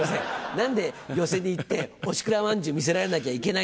何で寄席に行っておしくらまんじゅう見せられなきゃいけないんですか。